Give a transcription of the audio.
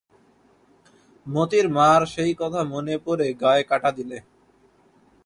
মোতির মার সেই কথা মনে পড়ে গায়ে কাঁটা দিলে।